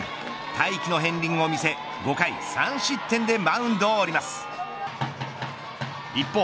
大器の片りんを見せ５回３失点でマウンドを降ります。